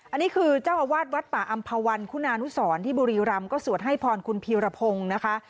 อันนี้คือเจ้าอาวาสวัดป่าอำภาวันคุณานุสรที่บุรีรำก็สวดให้พรคุณพีรพงศ์นะคะ